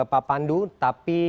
pak pandu tapi